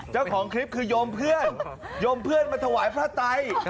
เจ้าของคลิปคือโยมเพื่อนโยมเพื่อนมาถวายพระไต